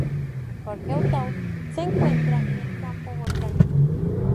George, Utah se encuentra en el campo volcánico.